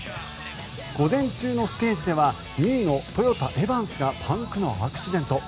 午前中のステージでは２位のトヨタ、エバンスがパンクのアクシデント。